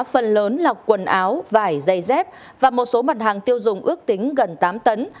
phần lớn là quần áo vải dây dép và một số mặt hàng tiêu dùng ước tính gần tám tấn